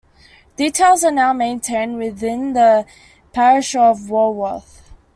Details are now maintained within the parish of Walworth.